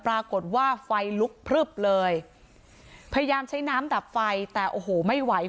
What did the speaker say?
ปรากฏว่าไฟลุกพลึบเลยพยายามใช้น้ำดับไฟแต่โอ้โหไม่ไหว